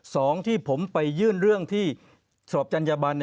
สองที่ผมไปยื่นเรื่องที่สอบจัญญบัน